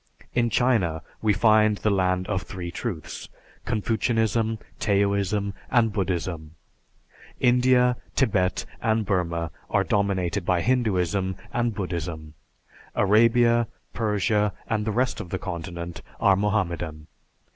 In China, we find the land of three truths, Confucianism, Taoism, and Buddhism. India, Tibet, and Burma are dominated by Hinduism and Buddhism; Arabia, Persia, and the rest of the continent are Mohammedan.